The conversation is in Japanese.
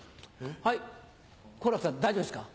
はい好楽さん大丈夫ですか？